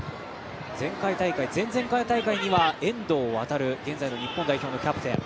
前回大会前々回大会には、遠藤航現在の日本代表のキャプテン。